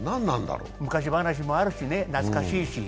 昔話もあるしね、懐かしいし。